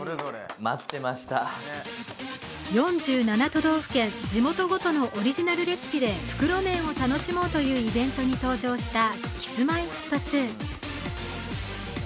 都道府県、地元ごとのオリジナルレシピで袋麺を楽しもうというイベントに出場したＫｉｓ−Ｍｙ−Ｆｔ２